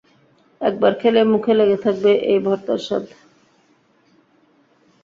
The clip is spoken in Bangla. একবার খেলেই মুখে লেগে থাকবে এই ভর্তার স্বাদ।